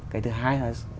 cái thứ hai là